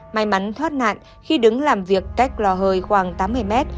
may mắn thoát nạn khi đứng làm việc cách lò hơi khoảng tám mươi mét